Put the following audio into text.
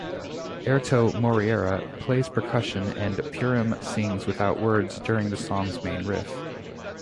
Airto Moreira plays percussion and Purim sings without words during the song's main riff.